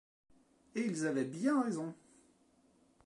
Et il avait bien raison.